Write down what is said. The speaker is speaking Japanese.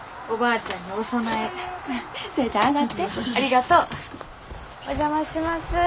お邪魔します。